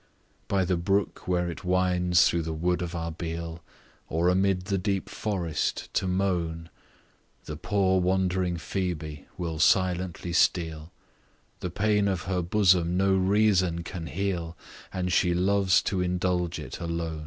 By the brook where it winds through the wood of Arbeal, Or amid the deep forest, to moan, The poor wandering Phoebe will silently steal; The pain of her bosom no reason can heal, And she loves to indulge it alone.